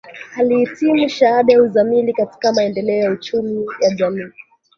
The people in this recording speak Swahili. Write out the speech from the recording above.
Alihitimu shahada ya uzamili katika maendeleo ya uchumi ya jamii